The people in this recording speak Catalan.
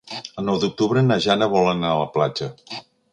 El nou d'octubre na Jana vol anar a la platja.